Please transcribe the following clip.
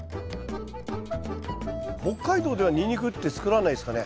北海道ではニンニクって作らないですかね？